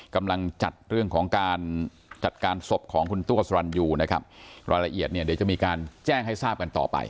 กำลังจัดเรื่องของการจัดการศพของคุณตัวสรรยูนะครับรายละเอียดเนี่ยเดี๋ยวจะมีการแจ้งให้ทราบกันต่อไป